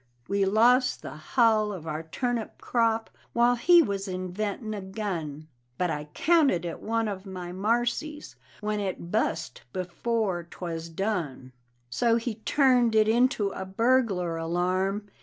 We lost the hull of our turnip crop while he was inventin' a gun, But I counted it one of my marcies when it bust before 'twas done. So he turned it into a "burglar alarm."